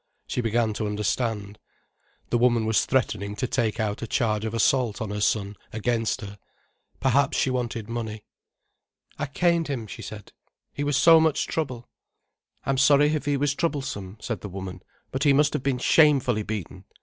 She began to understand. The woman was threatening to take out a charge of assault on her son against her. Perhaps she wanted money. "I caned him," she said. "He was so much trouble." "I'm sorry if he was troublesome," said the woman, "but he must have been shamefully beaten.